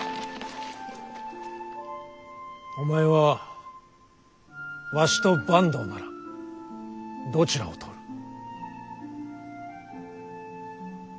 お前はわしと坂東ならどちらを取る？